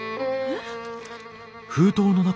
えっ。